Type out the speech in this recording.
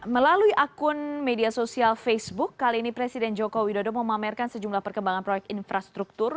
melalui akun media sosial facebook kali ini presiden joko widodo memamerkan sejumlah perkembangan proyek infrastruktur